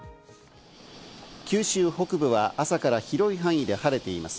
九州北部は朝から広い範囲で晴れています。